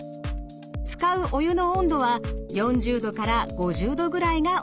使うお湯の温度は４０度から５０度ぐらいがおすすめ。